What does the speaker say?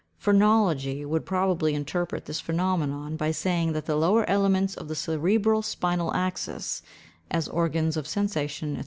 Phrenology would probably interpret this phenomenon by saying that the lower elements of the cerebral spinal axis, as organs of sensation, &c.